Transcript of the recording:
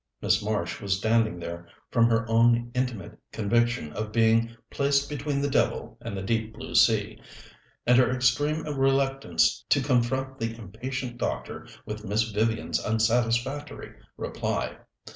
Miss Marsh was standing there from her own intimate conviction of being placed between the devil and the deep sea, and her extreme reluctance to confront the impatient doctor with Miss Vivian's unsatisfactory reply.